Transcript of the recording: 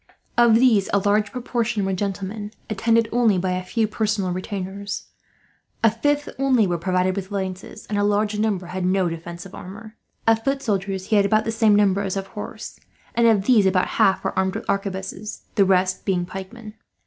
Of these a large proportion were gentlemen, attended only by a few personal retainers. A fifth only were provided with lances, and a large number had no defensive armour. Of foot soldiers he had about the same number as of horse, and of these about half were armed with arquebuses, the rest being pikemen.